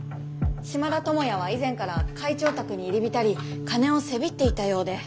島田友也は以前から会長宅に入り浸り金をせびっていたようで。